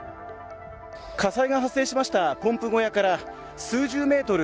火災が発生しましたポンプ小屋から数十メートル